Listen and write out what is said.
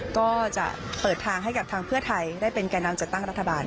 ก็จะเปิดทางให้กับทางเพื่อไทยได้เป็นแก่นำจัดตั้งรัฐบาล